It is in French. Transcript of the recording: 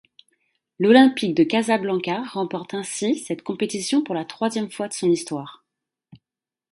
L'Olympique de Casablanca remporte ainsi cette compétition pour la troisième fois de son histoire.